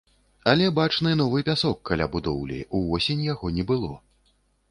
Але бачны новы пясок каля будоўлі, увосень яго не было.